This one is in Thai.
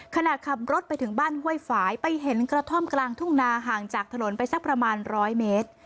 ขณะขับรถไปถึงบ้านห้วยฝ่ายไปเห็นกระท่อมกลางทุ่งนาห่างจากถนนไปสักประมาณ๑๐๐เมตร